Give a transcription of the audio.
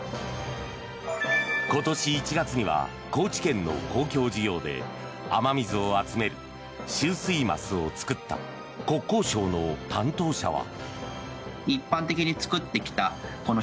今年１月には高知県の公共事業で雨水を集める集水マスを造った国交省の担当者は。